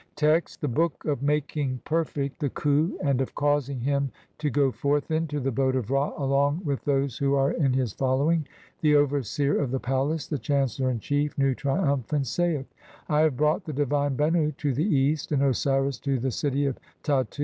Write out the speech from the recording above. Text : (1) The Book of making perfect the khu and OF CAUSING HIM TO GO FORTH INTO THE BOAT OF RA ALONG WITH THOSE WHO ARE IN HIS FOLLOWING (?). (2) The Overseer of the palace, the chancellor in chief, Nu, triumphant, saith :— "I have brought the divine Bennu to the east, and Osiris to "the city of Tattu.